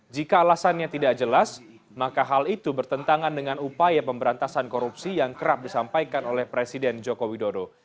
jika alasannya tidak jelas maka hal itu bertentangan dengan upaya pemberantasan korupsi yang kerap disampaikan oleh presiden joko widodo